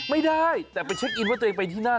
ไม่ได้แต่ไปเช็คอินว่าตัวเองไปที่นั่น